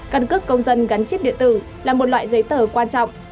căn cước công dân gắn chip điện tử là một loại giấy tờ quan trọng